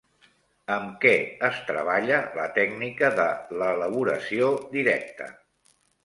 Amb què es treballa la tècnica de l'elaboració directa?